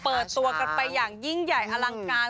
เปิดตัวกันไปอย่างยิ่งใหญ่อลังการ